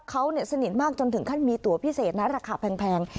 เขาสนิทมากจนถึงขั้นมีตัวพิเศษนะราคาแพง